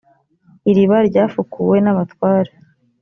iriba ryafukuwe n’abatware.